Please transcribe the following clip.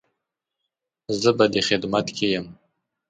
زه به دې خدمت کې يم